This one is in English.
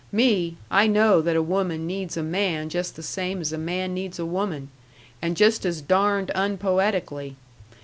Me, I know that a woman needs a man just the same as a man needs a woman and just as darned unpoetically.